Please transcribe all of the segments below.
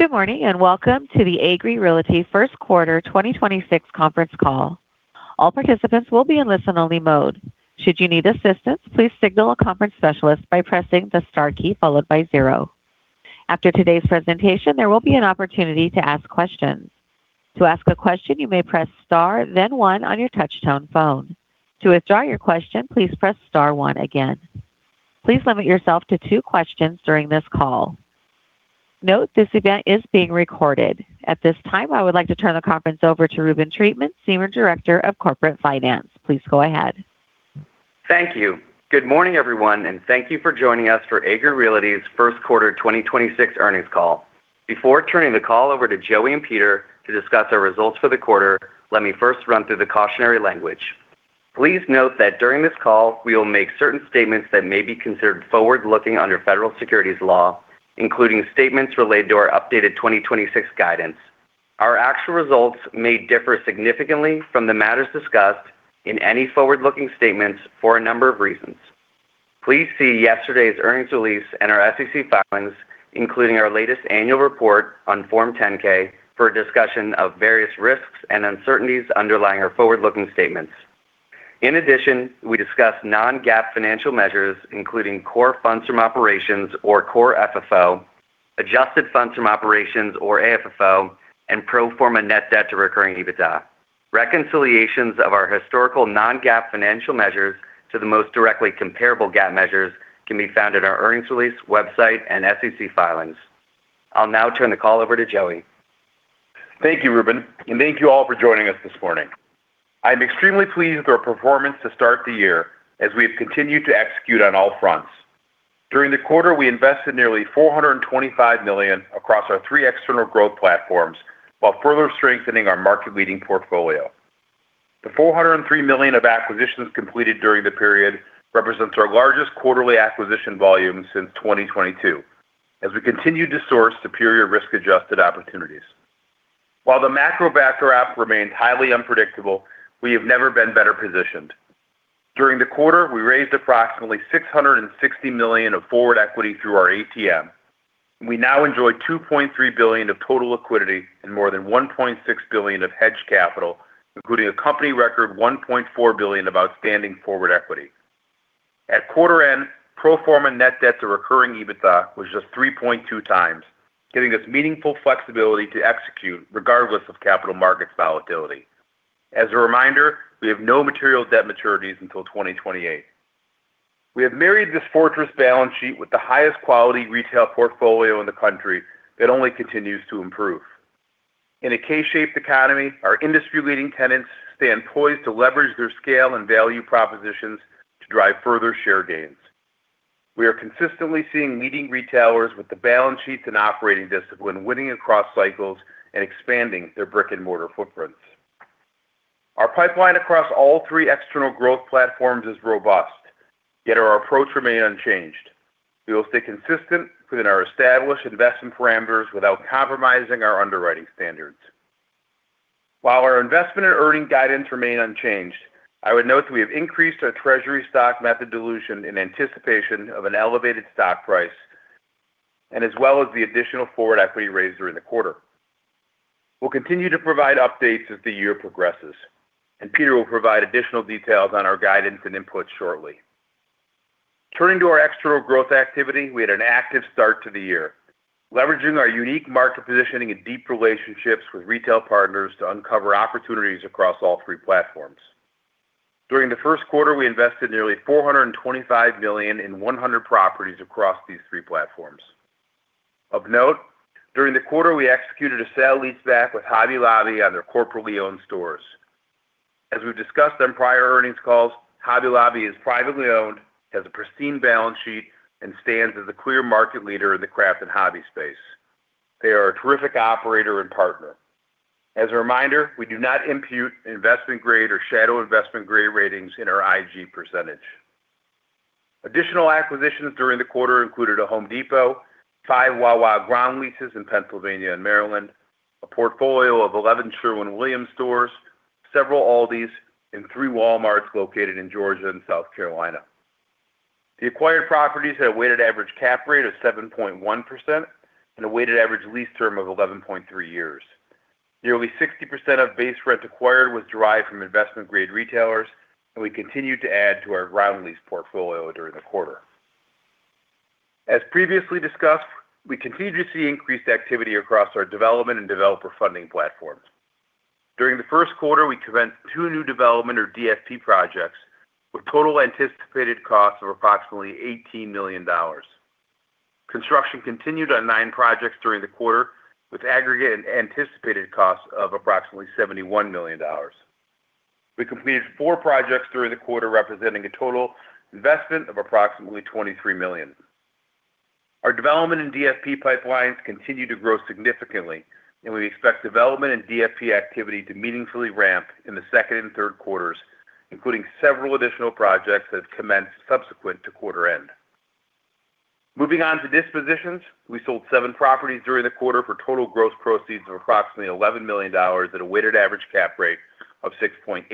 Good morning, and welcome to the Agree Realty first quarter 2026 conference call. All participants will be in listen only mode. Should you need assistance, please signal a conference specialist by pressing the star key followed by zero. After today's presentation, there will be an opportunity to ask questions. To ask a question, you may press star then one on your touch tone phone. To withdraw your question, please press star one again. Please limit yourself to two questions during this call. Note this event is being recorded. At this time, I would like to turn the conference over to Reuben Treatman, Senior Director of Corporate Finance. Please go ahead. Thank you. Good morning, everyone, and thank you for joining us for Agree Realty's first quarter 2026 earnings call. Before turning the call over to Joey and Peter to discuss our results for the quarter, let me first run through the cautionary language. Please note that during this call, we will make certain statements that may be considered forward-looking under federal securities laws, including statements related to our updated 2026 guidance. Our actual results may differ significantly from the matters discussed in any forward-looking statements for a number of reasons. Please see yesterday's earnings release and our SEC filings, including our latest annual report on Form 10-K, for a discussion of various risks and uncertainties underlying our forward-looking statements. In addition, we discuss non-GAAP financial measures, including Core Funds from Operations or Core FFO, Adjusted Funds from Operations or AFFO, and pro forma net debt to recurring EBITDA. Reconciliations of our historical non-GAAP financial measures to the most directly comparable GAAP measures can be found at our earnings release website and SEC filings. I'll now turn the call over to Joey. Thank you, Reuben, and thank you all for joining us this morning. I'm extremely pleased with our performance to start the year as we have continued to execute on all fronts. During the quarter, we invested nearly $425 million across our three external growth platforms while further strengthening our market-leading portfolio. The $403 million of acquisitions completed during the period represents our largest quarterly acquisition volume since 2022, as we continued to source superior risk-adjusted opportunities. While the macro backdrop remains highly unpredictable, we have never been better positioned. During the quarter, we raised approximately $660 million of forward equity through our ATM. We now enjoy $2.3 billion of total liquidity and more than $1.6 billion of hedged capital, including a company record $1.4 billion of outstanding forward equity. At quarter end, pro forma net debt to recurring EBITDA was just 3.2x, giving us meaningful flexibility to execute regardless of capital markets volatility. As a reminder, we have no material debt maturities until 2028. We have married this fortress balance sheet with the highest quality retail portfolio in the country that only continues to improve. In a K-shaped economy, our industry-leading tenants stand poised to leverage their scale and value propositions to drive further share gains. We are consistently seeing leading retailers with the balance sheets and operating discipline winning across cycles and expanding their brick and mortar footprints. Our pipeline across all three external growth platforms is robust, yet our approach remains unchanged. We will stay consistent within our established investment parameters without compromising our underwriting standards. While our investment and earnings guidance remain unchanged, I would note that we have increased our treasury stock method dilution in anticipation of an elevated stock price, and as well as the additional forward equity raised during the quarter. We'll continue to provide updates as the year progresses, and Peter will provide additional details on our guidance and inputs shortly. Turning to our external growth activity, we had an active start to the year, leveraging our unique market positioning and deep relationships with retail partners to uncover opportunities across all three platforms. During the first quarter, we invested nearly $425 million in 100 properties across these three platforms. Of note, during the quarter, we executed a sale leaseback with Hobby Lobby on their corporately owned stores. As we've discussed on prior earnings calls, Hobby Lobby is privately owned, has a pristine balance sheet, and stands as a clear market leader in the craft and hobby space. They are a terrific operator and partner. As a reminder, we do not impute investment grade or shadow investment grade ratings in our IG percentage. Additional acquisitions during the quarter included a Home Depot, five Wawa ground leases in Pennsylvania and Maryland, a portfolio of 11 Sherwin-Williams stores, several Aldis, and three Walmarts located in Georgia and South Carolina. The acquired properties had a weighted average cap rate of 7.1% and a weighted average lease term of 11.3 years. Nearly 60% of base rents acquired was derived from investment-grade retailers, and we continued to add to our ground lease portfolio during the quarter. As previously discussed, we continue to see increased activity across our development and developer funding platforms. During the first quarter, we commenced 2 new development or DFP projects with total anticipated costs of approximately $18 million. Construction continued on nine projects during the quarter, with aggregate anticipated costs of approximately $71 million. We completed four projects during the quarter, representing a total investment of approximately $23 million. Our development and DFP pipelines continue to grow significantly, and we expect development and DFP activity to meaningfully ramp in the second and third quarters, including several additional projects that commenced subsequent to quarter end. Moving on to dispositions, we sold seven properties during the quarter for total gross proceeds of approximately $11 million at a weighted average cap rate of 6.8%.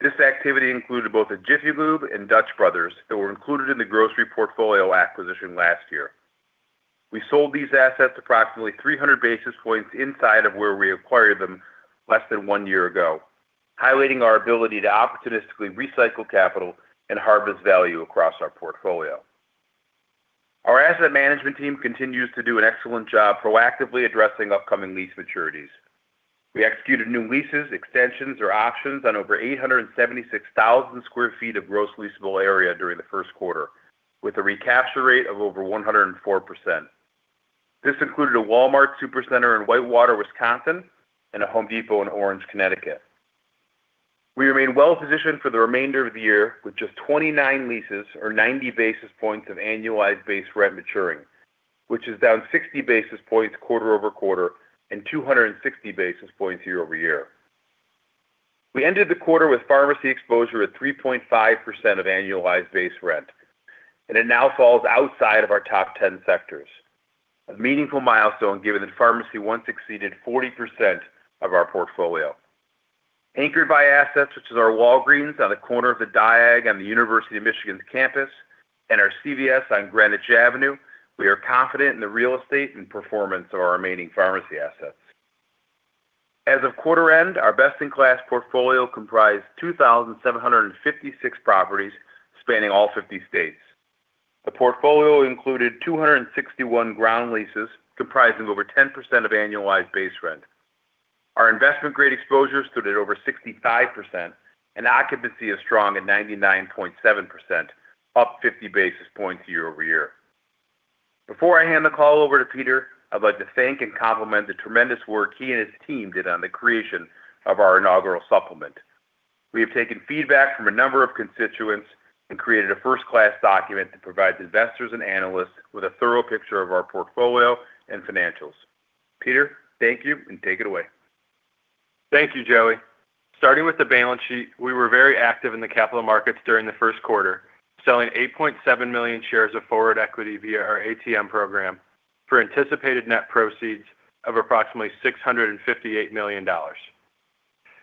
This activity included both a Jiffy Lube and Dutch Bros that were included in the grocery portfolio acquisition last year. We sold these assets approximately 300 basis points inside of where we acquired them less than one year ago, highlighting our ability to opportunistically recycle capital and harvest value across our portfolio. Our asset management team continues to do an excellent job proactively addressing upcoming lease maturities. We executed new leases, extensions, or options on over 876,000 sq ft of gross leasable area during the first quarter, with a recapture rate of over 104%. This included a Walmart Supercenter in Whitewater, Wisconsin, and a Home Depot in Orange, Connecticut. We remain well-positioned for the remainder of the year with just 29 leases or 90 basis points of annualized base rent maturing, which is down 60 basis points quarter-over-quarter and 260 basis points year-over-year. We ended the quarter with pharmacy exposure at 3.5% of annualized base rent, and it now falls outside of our top 10 sectors. A meaningful milestone, given that pharmacy once exceeded 40% of our portfolio. Anchored by assets such as our Walgreens on the corner of the Diag on the University of Michigan's campus and our CVS on Greenwich Avenue, we are confident in the real estate and performance of our remaining pharmacy assets. As of quarter end, our best-in-class portfolio comprised 2,756 properties spanning all 50 states. The portfolio included 261 ground leases comprising over 10% of annualized base rent. Our investment-grade exposure stood at over 65%, and occupancy is strong at 99.7%, up 50 basis points year-over-year. Before I hand the call over to Peter, I'd like to thank and compliment the tremendous work he and his team did on the creation of our inaugural supplement. We have taken feedback from a number of constituents and created a first-class document that provides investors and analysts with a thorough picture of our portfolio and financials. Peter, thank you, and take it away. Thank you, Joey. Starting with the balance sheet, we were very active in the capital markets during the first quarter, selling 8.7 million shares of forward equity via our ATM program for anticipated net proceeds of approximately $658 million.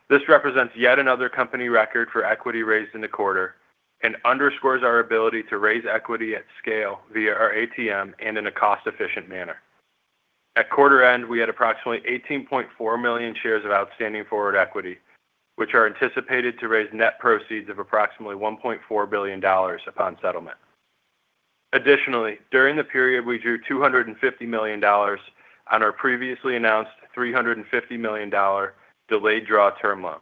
This represents yet another company record for equity raised in the quarter and underscores our ability to raise equity at scale via our ATM and in a cost-efficient manner. At quarter end, we had approximately 18.4 million shares of outstanding forward equity, which are anticipated to raise net proceeds of approximately $1.4 billion upon settlement. Additionally, during the period, we drew $250 million on our previously announced $350 million delayed draw term loan.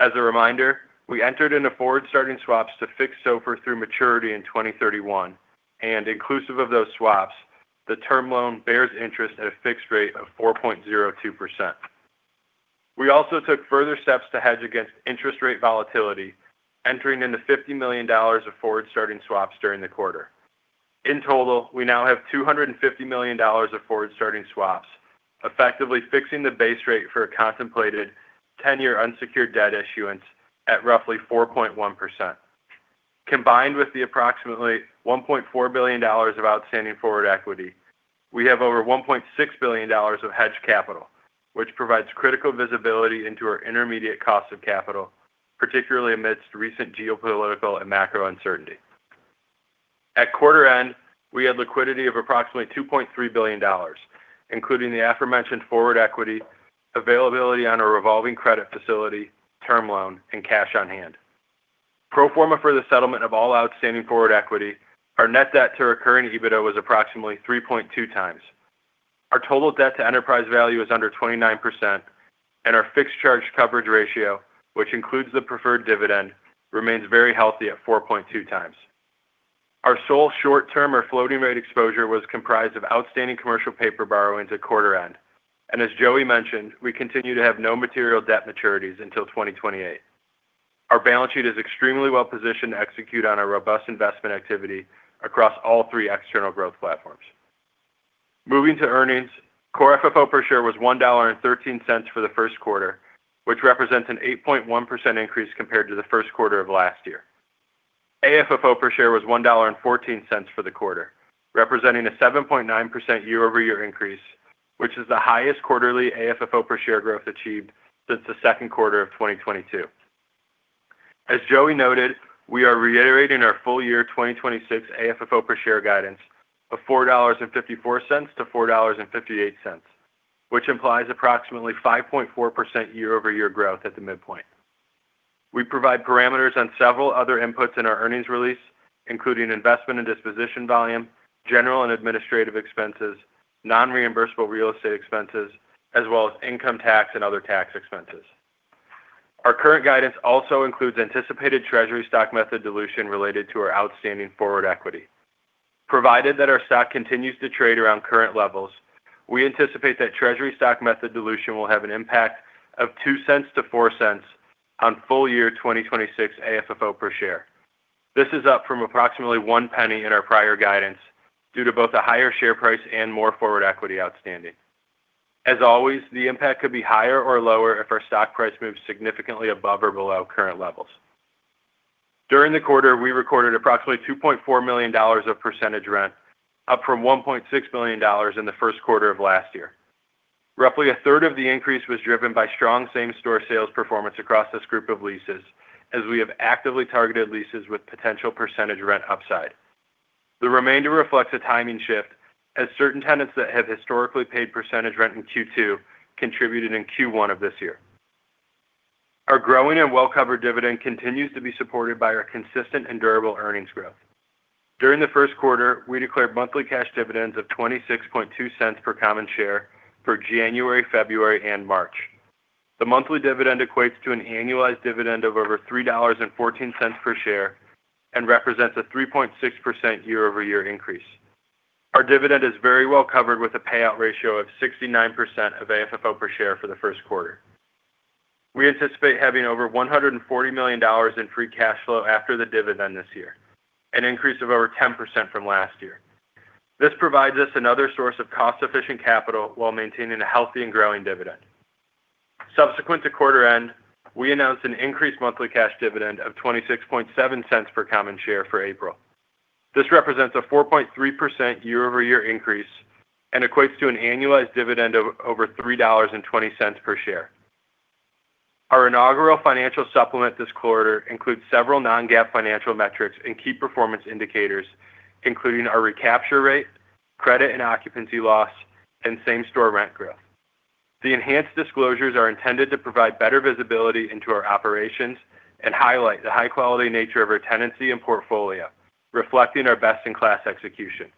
As a reminder, we entered into forward starting swap to fix SOFR through maturity in 2031. Inclusive of those swaps, the term loan bears interest at a fixed rate of 4.02%. We also took further steps to hedge against interest rate volatility, entering into $50 million of forward starting swap during the quarter. In total, we now have $250 million of forward starting swap, effectively fixing the base rate for a contemplated 10-year unsecured debt issuance at roughly 4.1%. Combined with the approximately $1.4 billion of outstanding forward equity, we have over $1.6 billion of hedged capital, which provides critical visibility into our intermediate cost of capital, particularly amidst recent geopolitical and macro uncertainty. At quarter end, we had liquidity of approximately $2.3 billion, including the aforementioned forward equity, availability on a revolving credit facility, term loan, and cash on hand. Pro forma for the settlement of all outstanding forward equity, our net debt to recurring EBITDA was approximately 3.2x. Our total debt to enterprise value is under 29%, and our fixed charge coverage ratio, which includes the preferred dividend, remains very healthy at 4.2x. Our sole short-term or floating rate exposure was comprised of outstanding commercial paper borrowings at quarter end. As Joey mentioned, we continue to have no material debt maturities until 2028. Our balance sheet is extremely well-positioned to execute on our robust investment activity across all three external growth platforms. Moving to earnings, Core FFO per share was $1.13 for the first quarter, which represents an 8.1% increase compared to the first quarter of last year. AFFO per share was $1.14 for the quarter, representing a 7.9% year-over-year increase, which is the highest quarterly AFFO per share growth achieved since the second quarter of 2022. As Joey noted, we are reiterating our full year 2026 AFFO per share guidance of $4.54-$4.58, which implies approximately 5.4% year-over-year growth at the midpoint. We provide parameters on several other inputs in our earnings release, including investment and disposition volume, general and administrative expenses, non-reimbursable real estate expenses, as well as income tax and other tax expenses. Our current guidance also includes anticipated treasury stock method dilution related to our outstanding forward equity. Provided that our stock continues to trade around current levels, we anticipate that treasury stock method dilution will have an impact of $0.02-$0.04 on full year 2026 AFFO per share. This is up from approximately $0.01 in our prior guidance due to both a higher share price and more forward equity outstanding. As always, the impact could be higher or lower if our stock price moves significantly above or below current levels. During the quarter, we recorded approximately $2.4 million of percentage rent, up from $1.6 million in the first quarter of last year. Roughly a third of the increase was driven by strong same-store sales performance across this group of leases, as we have actively targeted leases with potential percentage rent upside. The remainder reflects a timing shift as certain tenants that have historically paid percentage rent in Q2 contributed in Q1 of this year. Our growing and well-covered dividend continues to be supported by our consistent and durable earnings growth. During the first quarter, we declared monthly cash dividends of $0.262 per common share for January, February and March. The monthly dividend equates to an annualized dividend of over $3.14 per share and represents a 3.6% year-over-year increase. Our dividend is very well covered with a payout ratio of 69% of AFFO per share for the first quarter. We anticipate having over $140 million in free cash flow after the dividend this year, an increase of over 10% from last year. This provides us another source of cost-efficient capital while maintaining a healthy and growing dividend. Subsequent to quarter end, we announced an increased monthly cash dividend of $0.267 per common share for April. This represents a 4.3% year-over-year increase and equates to an annualized dividend of over $3.20 per share. Our inaugural financial supplement this quarter includes several non-GAAP financial metrics and key performance indicators, including our recapture rate, credit and occupancy loss, and same-store rent growth. The enhanced disclosures are intended to provide better visibility into our operations and highlight the high-quality nature of our tenancy and portfolio, reflecting our best-in-class execution.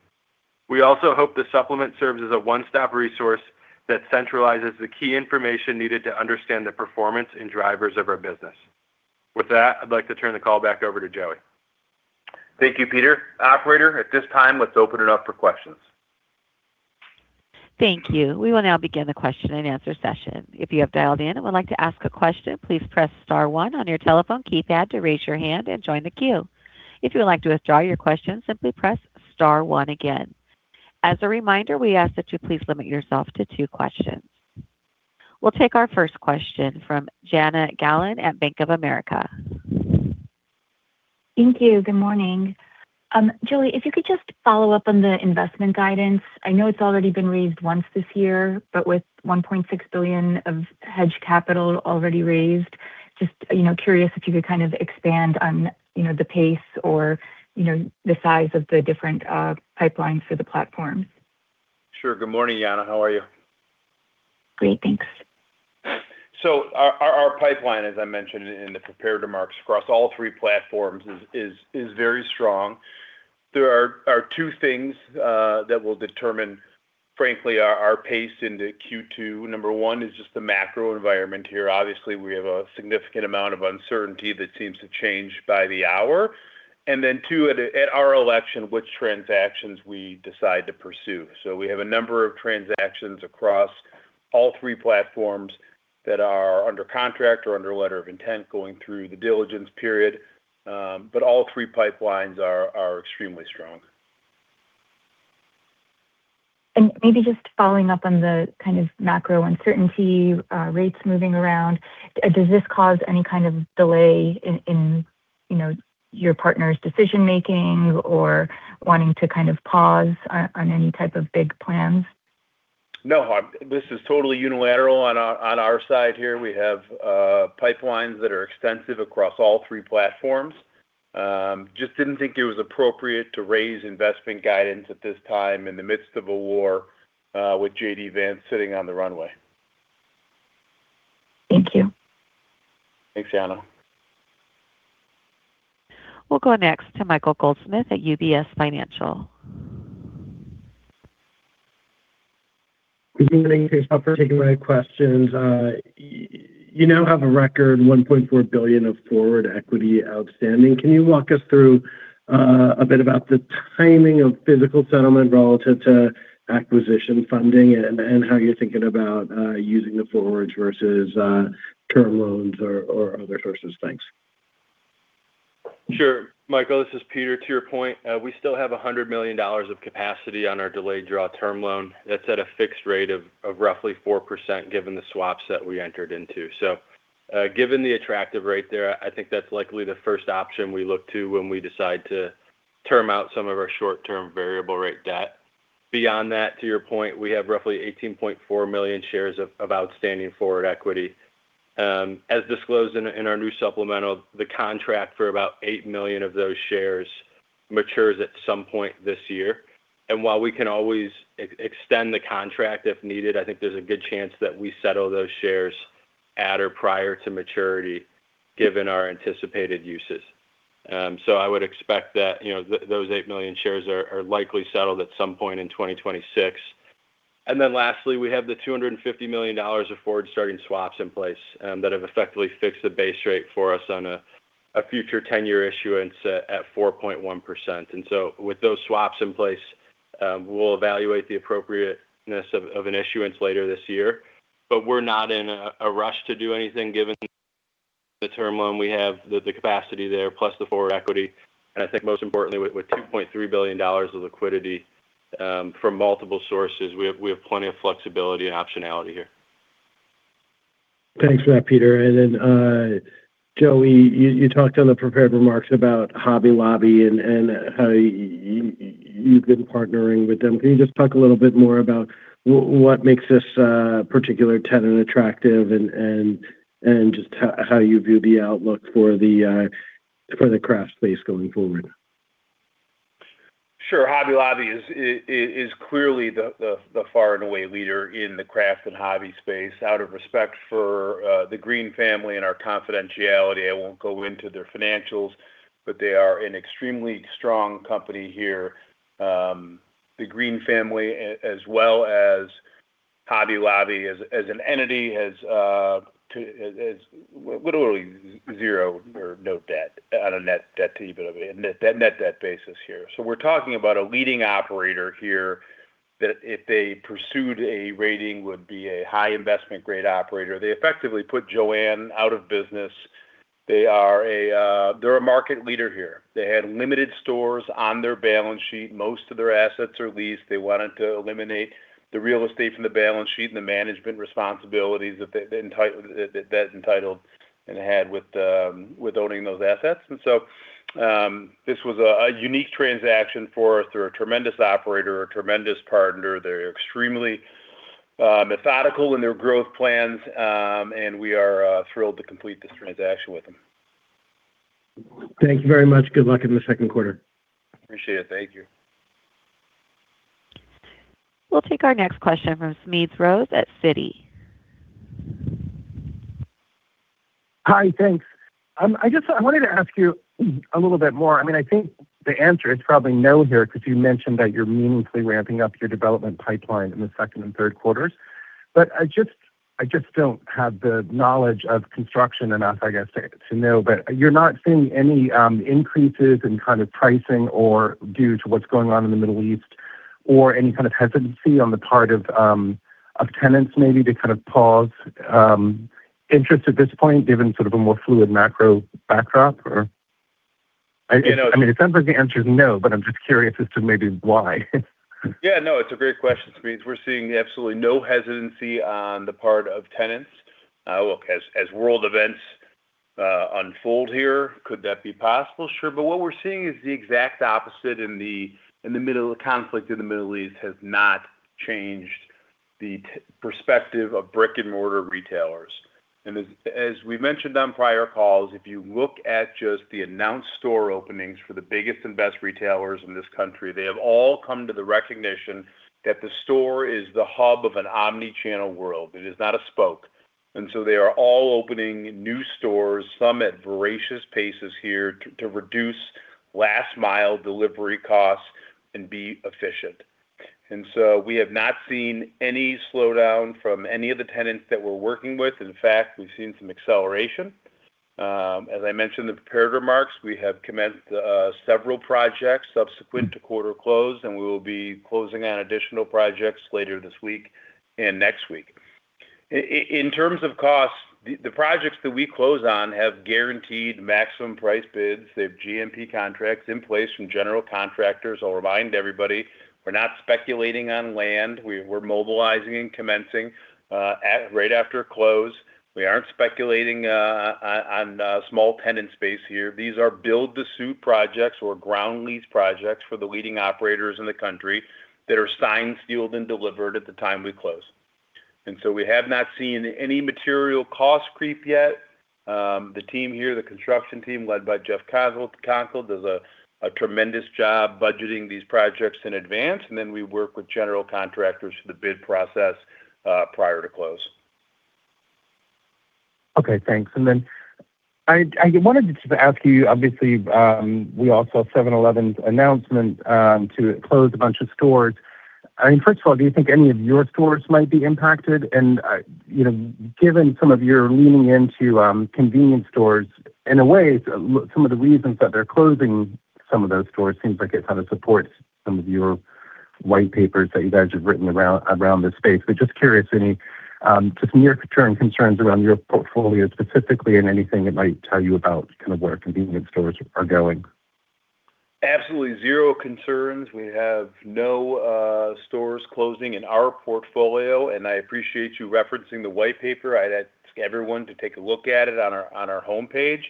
We also hope the supplement serves as a one-stop resource that centralizes the key information needed to understand the performance and drivers of our business. With that, I'd like to turn the call back over to Joey. Thank you, Peter. Operator, at this time, let's open it up for questions. Thank you. We will now begin the question-and-answer session. If you have dialed in and would like to ask a question, please press star one on your telephone keypad to raise your hand and join the queue. If you would like to withdraw your question, simply press star one again. As a reminder, we ask that you please limit yourself to two questions. We'll take our first question from Jana Galan at Bank of America. Thank you. Good morning. Joey, if you could just follow up on the investment guidance. I know it's already been raised once this year, but with $1.6 billion of hedge capital already raised, just curious if you could kind of expand on the pace or the size of the different pipelines for the platforms? Sure. Good morning, Jana. How are you? Great. Thanks. Our pipeline, as I mentioned in the prepared remarks, across all three platforms is very strong. There are two things that will determine, frankly, our pace into Q2. Number one is just the macro environment here. Obviously, we have a significant amount of uncertainty that seems to change by the hour. Then two, at our discretion, which transactions we decide to pursue. We have a number of transactions across all three platforms that are under contract or under letter of intent going through the diligence period. All three pipelines are extremely strong. Maybe just following up on the kind of macro uncertainty rates moving around, does this cause any kind of delay in your partner's decision-making or wanting to kind of pause on any type of big plans? No. This is totally unilateral on our side here. We have pipelines that are extensive across all three platforms. Just didn't think it was appropriate to raise investment guidance at this time in the midst of a war with J.D. Vance sitting on the runway. Thank you. Thanks, Jana. We'll go next to Michael Goldsmith at UBS Financial. Good evening. Thanks for taking my questions. You now have a record $1.4 billion of forward equity outstanding. Can you walk us through a bit about the timing of physical settlement relative to acquisition funding and how you're thinking about using the forwards versus term loans or other sources? Thanks. Sure. Michael, this is Peter. To your point, we still have $100 million of capacity on our delayed draw term loan. That's at a fixed rate of roughly 4% given the swaps that we entered into. Given the attractive rate there, I think that's likely the first option we look to when we decide to term out some of our short-term variable rate debt. Beyond that, to your point, we have roughly 18.4 million shares of outstanding forward equity. As disclosed in our new supplemental, the contract for about 8 million of those shares matures at some point this year. While we can always extend the contract if needed, I think there's a good chance that we settle those shares at or prior to maturity given our anticipated uses. I would expect that those 8 million shares are likely settled at some point in 2026. Then lastly, we have the $250 million of forward starting swap in place that have effectively fixed the base rate for us on a future tenor issuance at 4.1%. With those swaps in place, we'll evaluate the appropriateness of an issuance later this year. We're not in a rush to do anything given the term loan we have, the capacity there, plus the forward equity. I think most importantly, with $2.3 billion of liquidity from multiple sources, we have plenty of flexibility and optionality here. Thanks for that, Peter. Joey, you talked on the prepared remarks about Hobby Lobby and how you've been partnering with them. Can you just talk a little bit more about what makes this particular tenant attractive and just how you view the outlook for the craft space going forward? Sure. Hobby Lobby is clearly the far and away leader in the craft and hobby space. Out of respect for the Green family and our confidentiality, I won't go into their financials, but they are an extremely strong company here. The Green family, as well as Hobby Lobby as an entity, has literally zero or no debt on a net debt basis here. We're talking about a leading operator here that if they pursued a rating, would be a high investment grade operator. They effectively put JOANN out of business. They're a market leader here. They had limited stores on their balance sheet. Most of their assets are leased. They wanted to eliminate the real estate from the balance sheet and the management responsibilities that that entitled and had with owning those assets. This was a unique transaction for us. They're a tremendous operator, a tremendous partner. They're extremely methodical in their growth plans, and we are thrilled to complete this transaction with them. Thank you very much. Good luck in the second quarter. Appreciate it. Thank you. We'll take our next question from Smedes Rose at Citi. Hi. Thanks. I wanted to ask you a little bit more. I think the answer is probably no here, because you mentioned that you're meaningfully ramping up your development pipeline in the second and third quarters. I just don't have the knowledge of construction enough, I guess, to know. You're not seeing any increases in kind of pricing or due to what's going on in the Middle East or any kind of hesitancy on the part of tenants maybe to kind of pause interest at this point, given sort of a more fluid macro backdrop, or? You know. It sounds like the answer is no, but I'm just curious as to maybe why. Yeah, no, it's a great question, Smedes. We're seeing absolutely no hesitancy on the part of tenants. Look, as world events unfold here, could that be possible? Sure. What we're seeing is the exact opposite, and the conflict in the Middle East has not changed the perspective of brick-and-mortar retailers. As we've mentioned on prior calls, if you look at just the announced store openings for the biggest and best retailers in this country, they have all come to the recognition that the store is the hub of an omnichannel world. It is not a spoke. They are all opening new stores, some at voracious paces here, to reduce last mile delivery costs and be efficient. We have not seen any slowdown from any of the tenants that we're working with. In fact, we've seen some acceleration. As I mentioned in the prepared remarks, we have commenced several projects subsequent to quarter close, and we will be closing on additional projects later this week and next week. In terms of cost, the projects that we close on have guaranteed maximum price bids. They have GMP contracts in place from general contractors. I'll remind everybody, we're not speculating on land. We're mobilizing and commencing right after a close. We aren't speculating on small tenant space here. These are build to suit projects or ground lease projects for the leading operators in the country that are signed, sealed, and delivered at the time we close. We have not seen any material cost creep yet. The team here, the construction team led by Jeff Konkle, does a tremendous job budgeting these projects in advance, and then we work with general contractors for the bid process prior to close. Okay, thanks. I wanted to ask you, obviously, we all saw 7-Eleven's announcement to close a bunch of stores. First of all, do you think any of your stores might be impacted? Given some of your leaning into convenience stores, in a way, some of the reasons that they're closing some of those stores seems like it kind of supports some of your white papers that you guys have written around this space. Just curious, any just near-term concerns around your portfolio specifically and anything it might tell you about kind of where convenience stores are going? Absolutely zero concerns. We have no stores closing in our portfolio, and I appreciate you referencing the white paper. I'd ask everyone to take a look at it on our homepage.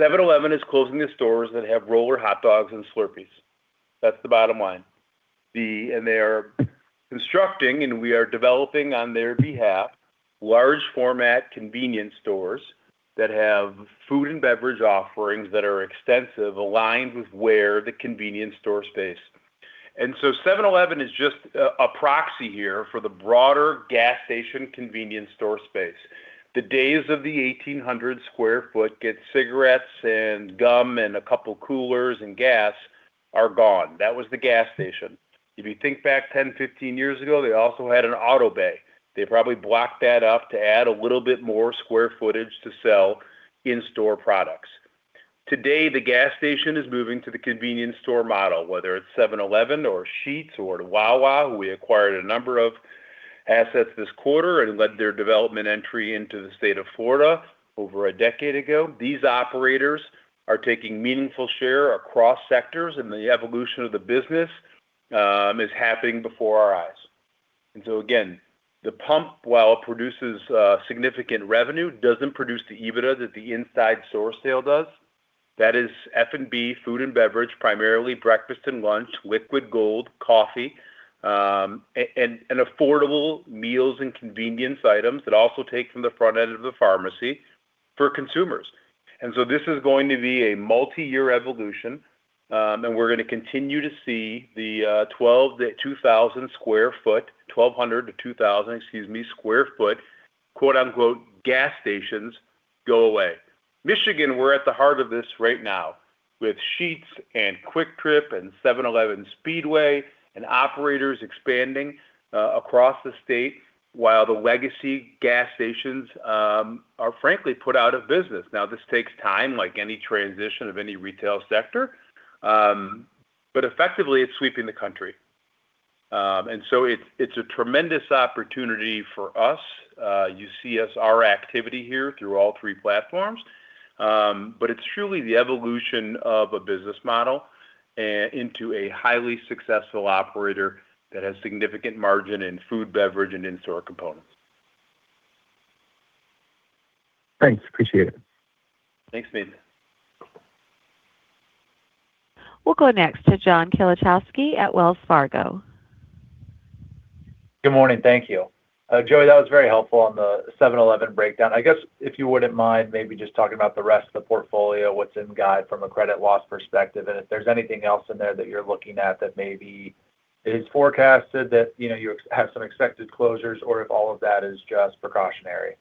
7-Eleven is closing the stores that have roller hot dogs and Slurpees. That's the bottom line. They are constructing, and we are developing on their behalf, large format convenience stores that have food and beverage offerings that are extensive, aligned with where the convenience store space. 7-Eleven is just a proxy here for the broader gas station convenience store space. The days of the 1,800 sq ft, get cigarettes and gum and a couple coolers and gas are gone. That was the gas station. If you think back 10, 15 years ago, they also had an auto bay. They probably blocked that up to add a little bit more square footage to sell in-store products. Today, the gas station is moving to the convenience store model, whether it's 7-Eleven or Sheetz or Wawa, who we acquired a number of assets this quarter and led their development entry into the state of Florida over a decade ago. These operators are taking meaningful share across sectors in the evolution of the business is happening before our eyes. Again, the pump, while it produces significant revenue, doesn't produce the EBITDA that the inside store sale does. That is F&B, food and beverage, primarily breakfast and lunch, liquid gold, coffee, and affordable meals and convenience items that also take from the front end of the pharmacy for consumers. This is going to be a multi-year evolution, and we're going to continue to see the 1,200 sq ft-2,000 sq ft, quote unquote, gas stations go away. Michigan, we're at the heart of this right now with Sheetz, Kwik Trip, 7-Eleven, Speedway, and operators expanding across the state while the legacy gas stations are frankly put out of business. Now, this takes time, like any transition of any retail sector, but effectively it's sweeping the country. It's a tremendous opportunity for us. You see our activity here through all three platforms, but it's truly the evolution of a business model into a highly successful operator that has significant margin in food, beverage, and in-store components. Thanks, appreciate it. Thanks, Smedes. We'll go next to John Kilichowski at Wells Fargo. Good morning. Thank you. Joey, that was very helpful on the 7-Eleven breakdown. I guess if you wouldn't mind maybe just talking about the rest of the portfolio, what's in guide from a credit loss perspective, and if there's anything else in there that you're looking at that maybe is forecasted that you have some expected closures or if all of that is just precautionary?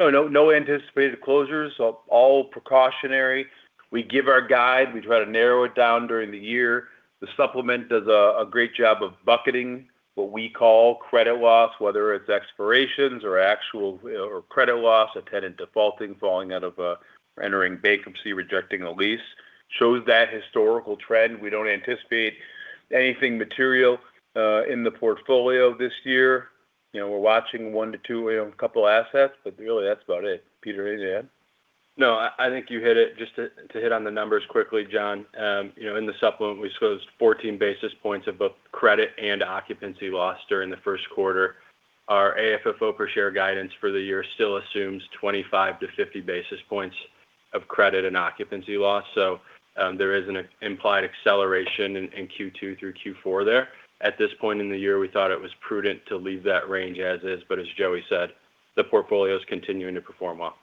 No anticipated closures, all precautionary. We give our guide, we try to narrow it down during the year. The supplement does a great job of bucketing what we call credit loss, whether it's expirations or actual credit loss, a tenant defaulting, or entering bankruptcy, rejecting a lease. Shows that historical trend. We don't anticipate anything material in the portfolio this year. We're watching one-two, a couple assets, but really that's about it. Peter, anything to add? No, I think you hit it. Just to hit on the numbers quickly, John. In the supplement, we disclosed 14 basis points of both credit and occupancy loss during the first quarter. Our AFFO per share guidance for the year still assumes 25-50 basis points of credit and occupancy loss. There is an implied acceleration in Q2 through Q4 there. At this point in the year, we thought it was prudent to leave that range as is, but as Joey said, the portfolio is continuing to perform well.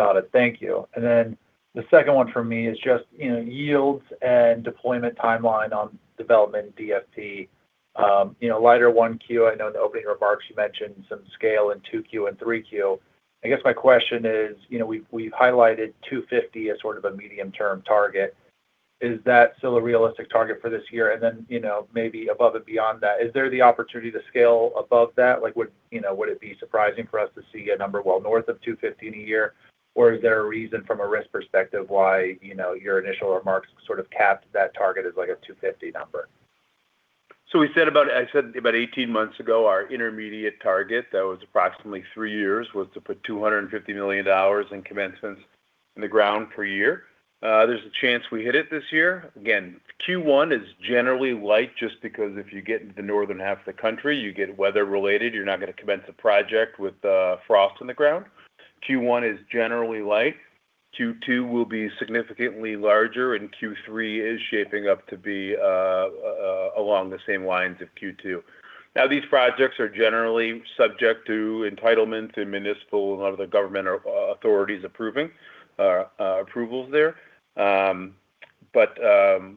Got it. Thank you. Then the second one for me is just yields and deployment timeline on development in DFP. Light in 1Q, I know in the opening remarks you mentioned some scale in 2Q and 3Q. I guess my question is, we've highlighted 250 as sort of a medium-term target. Is that still a realistic target for this year? Then, maybe above and beyond that, is there the opportunity to scale above that? Would it be surprising for us to see a number well north of 250 in a year? Is there a reason from a risk perspective why your initial remarks sort of capped that target as a 250 number? We said about 18 months ago, our intermediate target, that was approximately three years, was to put $250 million in commencements in the ground per year. There's a chance we hit it this year. Again, Q1 is generally light just because if you get into the northern half of the country, you get weather-related, you're not going to commence a project with frost in the ground. Q1 is generally light. Q2 will be significantly larger and Q3 is shaping up to be along the same lines of Q2. Now these projects are generally subject to entitlements and municipal and a lot of the government authorities approving, approvals there.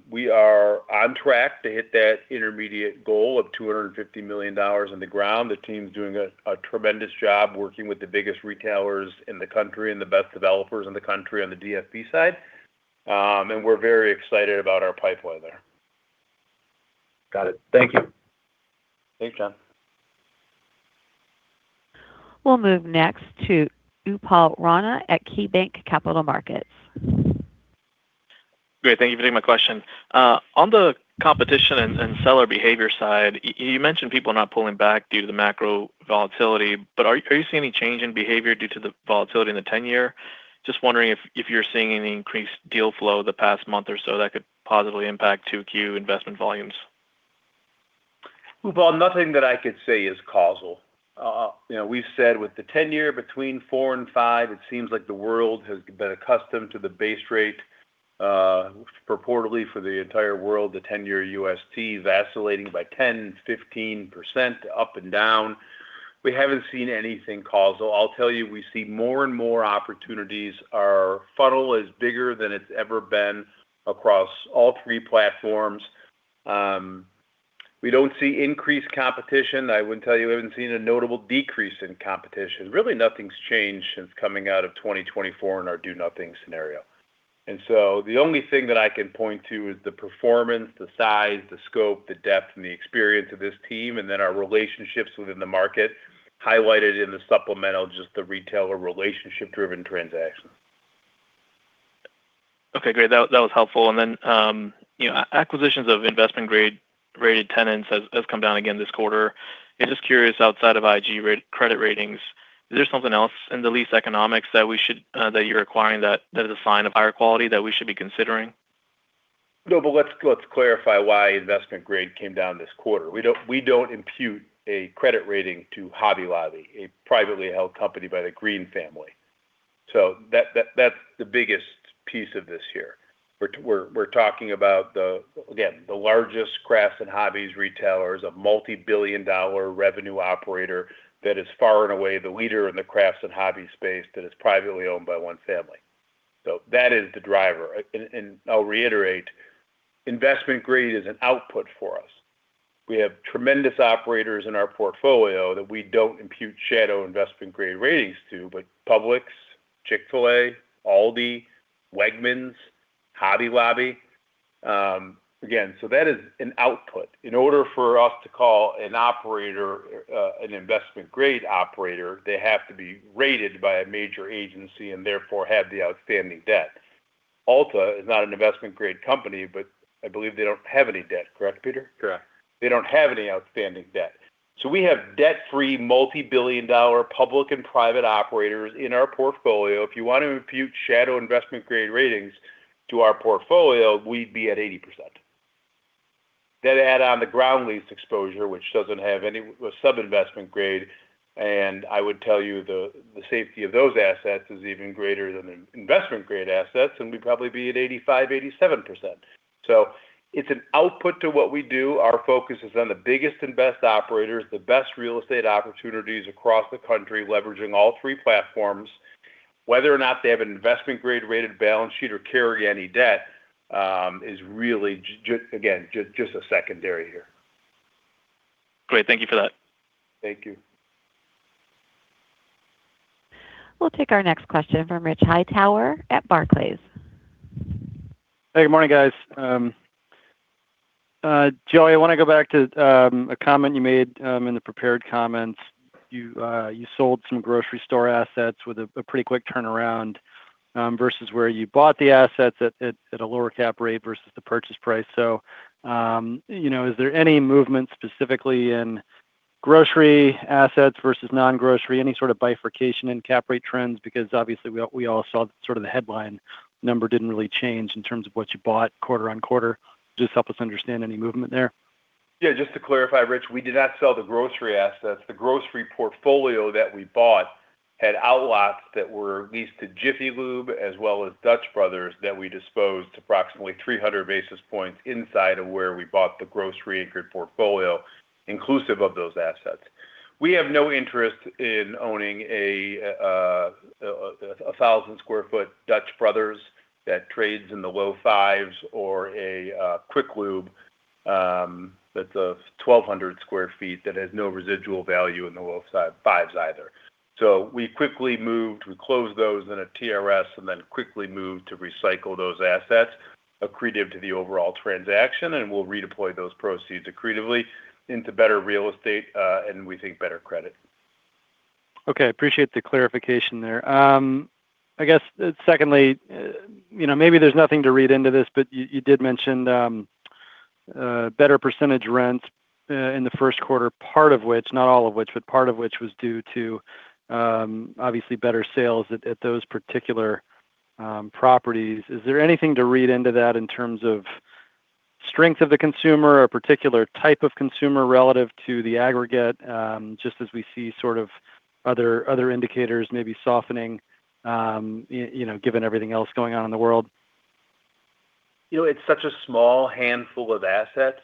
We are on track to hit that intermediate goal of $250 million in the ground. The team's doing a tremendous job working with the biggest retailers in the country and the best developers in the country on the DFP side. We're very excited about our pipeline there. Got it. Thank you. Thanks, John. We'll move next to Upal Rana at KeyBanc Capital Markets. Great. Thank you for taking my question. On the competition and seller behavior side, you mentioned people are not pulling back due to the macro volatility, but are you seeing any change in behavior due to the volatility in the 10-year? Just wondering if you're seeing any increased deal flow the past month or so that could positively impact 2Q investment volumes? Upal, nothing that I could say is causal. We've said with the 10-year between 4% and 5%, it seems like the world has been accustomed to the base rate purportedly for the entire world, the 10-year UST vacillating by 10%-15% up and down. We haven't seen anything causal. I'll tell you, we see more and more opportunities. Our funnel is bigger than it's ever been across all three platforms. We don't see increased competition. I would tell you, I haven't seen a notable decrease in competition. Really nothing's changed since coming out of 2024 in our do-nothing scenario. The only thing that I can point to is the performance, the size, the scope, the depth, and the experience of this team, and then our relationships within the market highlighted in the supplemental, just the retailer relationship driven transactions. Okay, great. That was helpful. Acquisitions of investment grade rated tenants has come down again this quarter. Yeah, just curious, outside of IG credit ratings. Is there something else in the lease economics that you're acquiring that is a sign of higher quality that we should be considering? No, let's clarify why investment grade came down this quarter. We don't impute a credit rating to Hobby Lobby, a privately held company by the Green family. That's the biggest piece of this here. We're talking about, again, the largest crafts and hobbies retailers, a multi-billion-dollar revenue operator that is far and away the leader in the crafts and hobbies space that is privately owned by one family. That is the driver. I'll reiterate, investment grade is an output for us. We have tremendous operators in our portfolio that we don't impute shadow investment-grade ratings to, but Publix, Chick-fil-A, Aldi, Wegmans, Hobby Lobby. Again, that is an output. In order for us to call an operator an investment-grade operator, they have to be rated by a major agency and therefore have the outstanding debt. Ulta is not an investment-grade company, but I believe they don't have any debt. Correct, Peter? Correct. They don't have any outstanding debt. We have debt-free, multi-billion-dollar public and private operators in our portfolio. If you want to impute shadow investment grade ratings to our portfolio, we'd be at 80%. Then add on the ground lease exposure, which doesn't have any sub-investment-grade, and I would tell you the safety of those assets is even greater than investment-grade assets, and we'd probably be at 85%-87%. It's an output to what we do. Our focus is on the biggest and best operators, the best real estate opportunities across the country, leveraging all three platforms. Whether or not they have an investment-grade rated balance sheet or carry any debt, is really just a secondary here. Great. Thank you for that. Thank you. We'll take our next question from Rich Hightower at Barclays. Hey, good morning, guys. Joey, I want to go back to a comment you made in the prepared comments. You sold some grocery store assets with a pretty quick turnaround, versus where you bought the assets at a lower cap rate versus the purchase price. Is there any movement specifically in grocery assets versus non-grocery, any sort of bifurcation in cap rate trends? Because obviously we all saw the headline number didn't really change in terms of what you bought quarter-on-quarter. Just help us understand any movement there. Yeah, just to clarify, Rich, we did not sell the grocery assets. The grocery portfolio that we bought had outlots that were leased to Jiffy Lube as well as Dutch Bros that we disposed approximately 300 basis points inside of where we bought the grocery anchored portfolio, inclusive of those assets. We have no interest in owning 1,000 sq ft Dutch Bros that trades in the low fives or a Jiffy Lube that's 1,200 sq ft that has no residual value in the low fives either. We quickly moved, we closed those in a TRS and then quickly moved to recycle those assets accretive to the overall transaction, and we'll redeploy those proceeds accretively into better real estate, and we think better credit. Okay. I appreciate the clarification there. I guess secondly, maybe there's nothing to read into this, but you did mention better percentage rents in the first quarter, part of which, not all of which, but part of which was due to obviously better sales at those particular properties. Is there anything to read into that in terms of strength of the consumer or particular type of consumer relative to the aggregate? Just as we see sort of other indicators maybe softening, given everything else going on in the world. It's such a small handful of assets.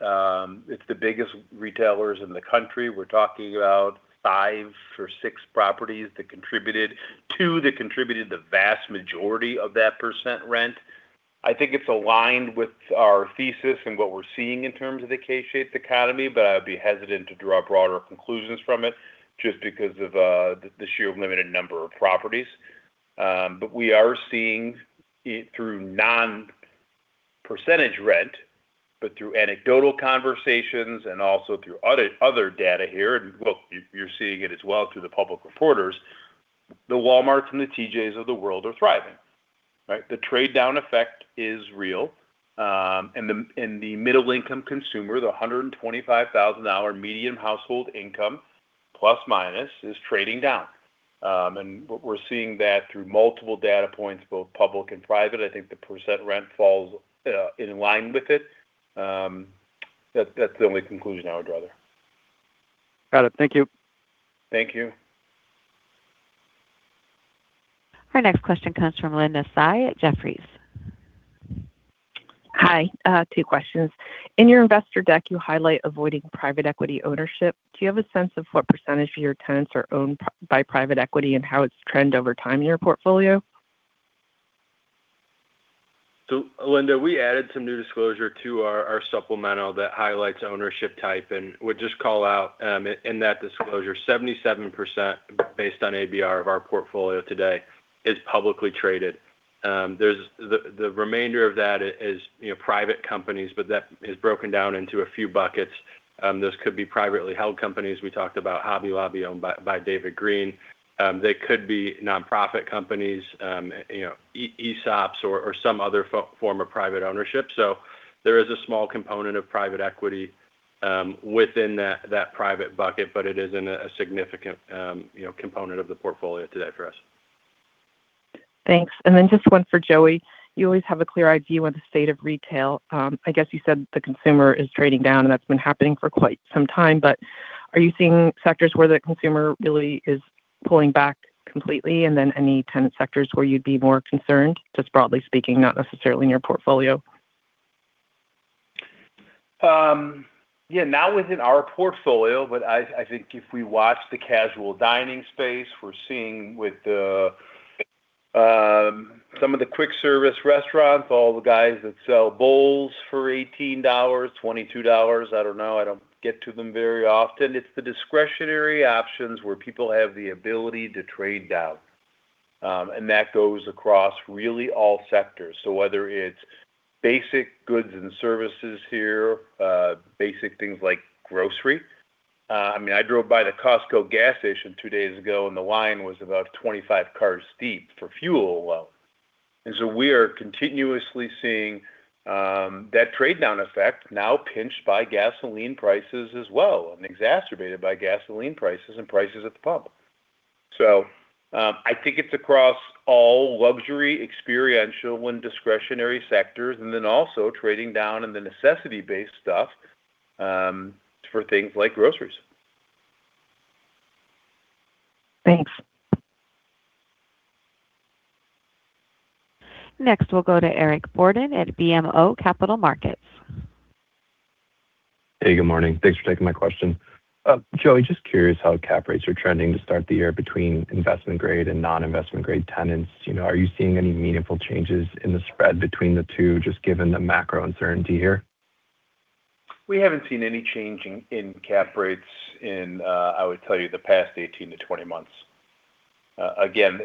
It's the biggest retailers in the country. We're talking about five or six properties that contributed. Two that contributed the vast majority of that percent rent. I think it's aligned with our thesis and what we're seeing in terms of the K-shaped economy, but I'd be hesitant to draw broader conclusions from it, just because of the sheer limited number of properties. We are seeing it through non-percentage rent, through anecdotal conversations and also through other data here, and look, you're seeing it as well through the public retailers, the Walmarts and the T.J.s of the world are thriving, right? The trade down effect is real. The middle income consumer, the $125,000 median household income, plus minus, is trading down. We're seeing that through multiple data points, both public and private. I think the percent rent falls in line with it. That's the only conclusion I would draw there. Got it. Thank you. Thank you. Our next question comes from Linda Tsai at Jefferies. Hi. Two questions. In your investor deck, you highlight avoiding private equity ownership. Do you have a sense of what percentage of your tenants are owned by private equity and how it's trended over time in your portfolio? Linda, we added some new disclosure to our supplemental that highlights ownership type, and would just call out in that disclosure, 77% based on ABR of our portfolio today is publicly traded. The remainder of that is private companies, but that is broken down into a few buckets. Those could be privately held companies. We talked about Hobby Lobby owned by David Green. They could be nonprofit companies, ESOPs or some other form of private ownership. There is a small component of private equity within that private bucket, but it is a significant component of the portfolio today for us. Thanks. Just one for Joey. You always have a clear idea on the state of retail. I guess you said the consumer is trading down, and that's been happening for quite some time, but are you seeing sectors where the consumer really is pulling back completely? Any tenant sectors where you'd be more concerned, just broadly speaking, not necessarily in your portfolio? Yeah. Not within our portfolio, but I think if we watch the casual dining space, we're seeing with some of the quick service restaurants, all the guys that sell bowls for $18, $22, I don't know. I don't get to them very often. It's the discretionary options where people have the ability to trade down. That goes across really all sectors. Whether it's basic goods and services here, basic things like grocery. I drove by the Costco gas station two days ago, and the line was about 25 cars deep for fuel alone. We are continuously seeing that trade down effect now pinched by gasoline prices as well, and exacerbated by gasoline prices and prices at the pump. I think it's across all luxury, experiential, and discretionary sectors, and then also trading down in the necessity-based stuff for things like groceries. Thanks. Next, we'll go to Eric Borden at BMO Capital Markets. Hey, good morning. Thanks for taking my question. Joey, just curious how cap rates are trending to start the year between investment-grade and non-investment grade tenants. Are you seeing any meaningful changes in the spread between the two, just given the macro uncertainty here? We haven't seen any change in cap rates in, I would tell you, the past 18-20 months. Again,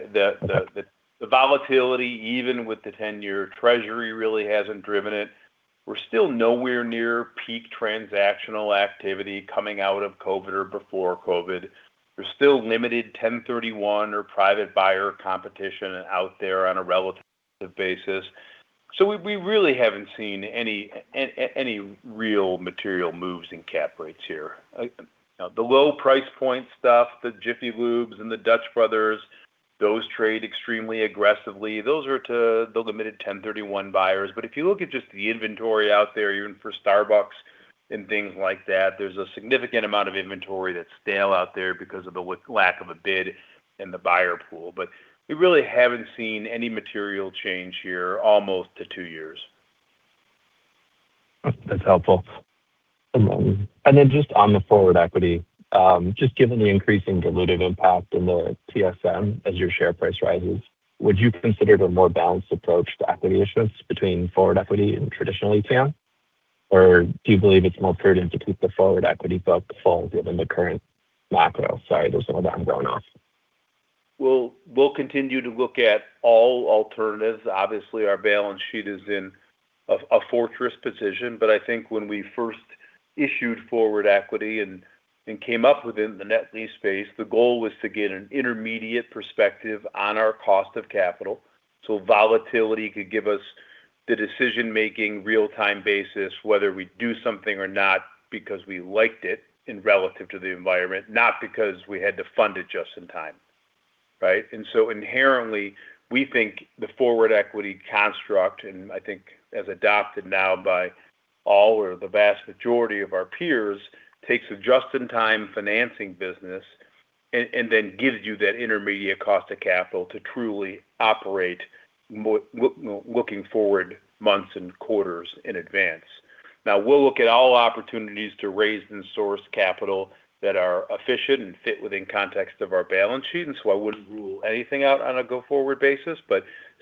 the volatility, even with the 10-year Treasury, really hasn't driven it. We're still nowhere near peak transactional activity coming out of COVID or before COVID. There's still limited 1031 or private buyer competition out there on a relative basis. We really haven't seen any real material moves in cap rates here. The low price point stuff, the Jiffy Lubes and the Dutch Bros, those trade extremely aggressively. Those are to the limited 1031 buyers. If you look at just the inventory out there, even for Starbucks and things like that, there's a significant amount of inventory that's stale out there because of the lack of a bid in the buyer pool. We really haven't seen any material change here almost to two years. That's helpful. Just on the forward equity, just given the increasing dilutive impact in the TSM as your share price rises, would you consider it a more balanced approach to equity issuance between forward equity and traditional ATM, or do you believe it's more prudent to keep the forward equity book full given the current macro? Sorry, there's no background off. We'll continue to look at all alternatives. Obviously, our balance sheet is in a fortress position, but I think when we first issued forward equity and came up within the net lease space, the goal was to get an intermediate perspective on our cost of capital, so volatility could give us the decision-making real-time basis, whether we do something or not because we liked it in relation to the environment, not because we had to fund it just in time. Right? Inherently, we think the forward equity construct, and I think as adopted now by all or the vast majority of our peers, takes a just-in-time financing business and then gives you that intermediate cost of capital to truly operate looking forward months and quarters in advance. Now, we'll look at all opportunities to raise and source capital that are efficient and fit within context of our balance sheet. I wouldn't rule anything out on a go-forward basis.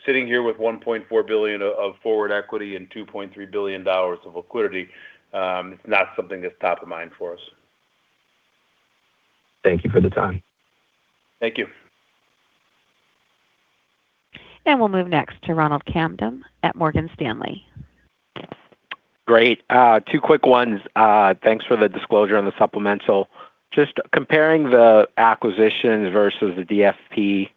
Sitting here with $1.4 billion of forward equity and $2.3 billion of liquidity, it's not something that's top of mind for us. Thank you for the time. Thank you. We'll move next to Ronald Kamdem at Morgan Stanley. Great. Two quick ones. Thanks for the disclosure on the supplemental. Just comparing the acquisitions versus the DFP,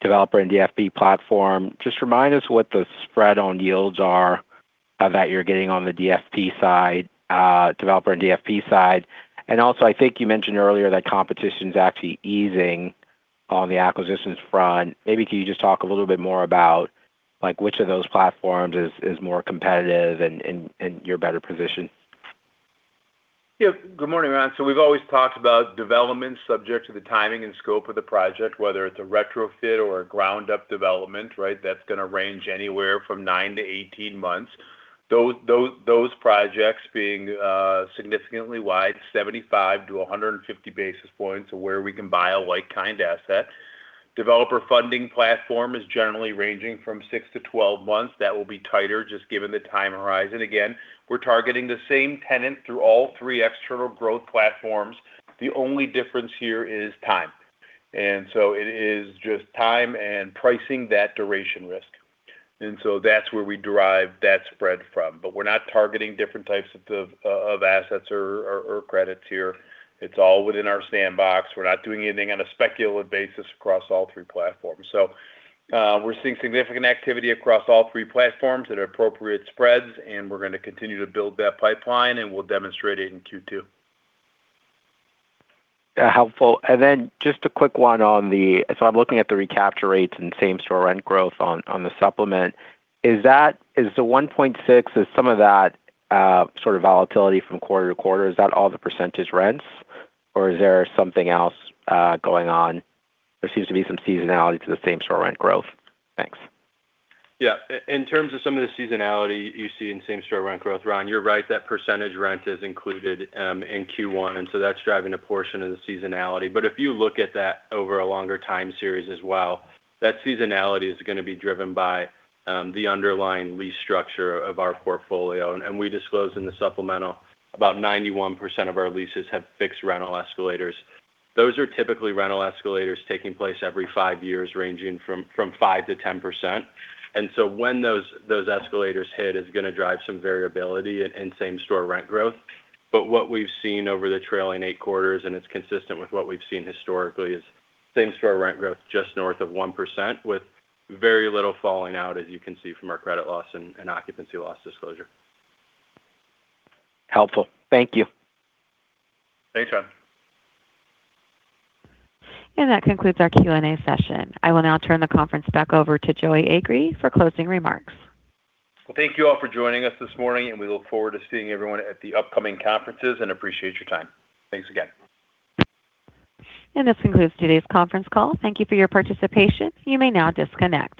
developer funding platform, just remind us what the spread on yields are that you're getting on the DFP side, developer funding platform side. Also, I think you mentioned earlier that competition is actually easing on the acquisitions front. Maybe can you just talk a little bit more about which of those platforms is more competitive and your better position? Yeah. Good morning, Ron. We've always talked about development subject to the timing and scope of the project, whether it's a retrofit or a ground-up development, right? That's going to range anywhere from nine-18 months. Those projects being significantly wider, 75-150 basis points of where we can buy a like-kind asset. Developer funding platform is generally ranging from six-12 months. That will be tighter just given the time horizon. Again, we're targeting the same tenant through all three external growth platforms. The only difference here is time. It is just time and pricing that's the duration risk. That's where we derive that spread from. We're not targeting different types of assets or credits here. It's all within our sandbox. We're not doing anything on a speculative basis across all three platforms. We're seeing significant activity across all three platforms that are appropriate spreads, and we're going to continue to build that pipeline, and we'll demonstrate it in Q2. Yeah. Helpful. Just a quick one. I'm looking at the recapture rates and same-store rent growth on the supplement. Is the 1.6% some of that sort of volatility from quarter-to-quarter? Is that all the percentage rents, or is there something else going on? There seems to be some seasonality to the same-store rent growth. Thanks. Yeah. In terms of some of the seasonality you see in same-store rent growth, Ron, you're right. That percentage rent is included in Q1, and so that's driving a portion of the seasonality. If you look at that over a longer time series as well, that seasonality is going to be driven by the underlying lease structure of our portfolio. We disclose in the supplemental, about 91% of our leases have fixed rental escalators. Those are typically rental escalators taking place every five years, ranging from 5%-10%. When those escalators hit is going to drive some variability in same-store rent growth. What we've seen over the trailing eight quarters, and it's consistent with what we've seen historically, is same-store rent growth just north of 1% with very little falling out, as you can see from our credit loss and occupancy loss disclosure. Helpful. Thank you. Thanks, Ron. That concludes our Q&A session. I will now turn the conference back over to Joey Agree for closing remarks. Well, thank you all for joining us this morning, and we look forward to seeing everyone at the upcoming conferences and appreciate your time. Thanks again. This concludes today's conference call. Thank you for your participation. You may now disconnect.